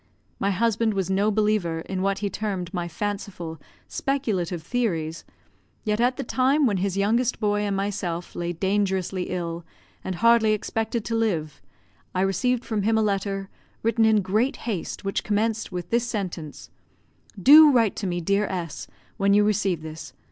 My husband was no believer in what he termed my fanciful, speculative theories; yet at the time when his youngest boy and myself lay dangerously ill, and hardly expected to live, I received from him a letter, written in great haste, which commenced with this sentence: "Do write to me, dear S , when you receive this.